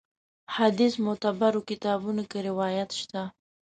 حدیث معتبرو کتابونو کې روایت شته.